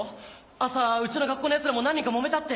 朝うちの学校のヤツらも何人かもめたって。